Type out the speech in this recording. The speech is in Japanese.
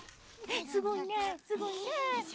すごいねすごいね。